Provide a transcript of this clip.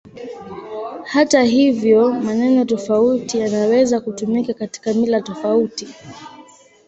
Hata hivyo, maneno tofauti yanaweza kutumika katika mila tofauti.